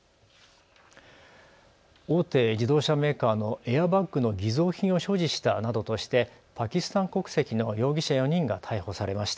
大手自動車メーカーのエアバッグの偽造品を所持したなどとしてパキスタン国籍の容疑者４人が逮捕されました。